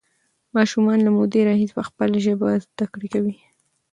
ماشومان له مودې راهیسې په خپله ژبه زده کړه کوي.